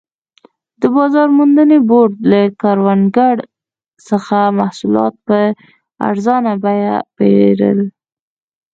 د بازار موندنې بورډ له کروندګرو څخه محصولات په ارزانه بیه پېرل.